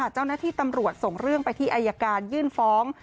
เจ้าหน้าที่ตำรวจส่งเรื่องไปที่อายการยื่นฟ้อง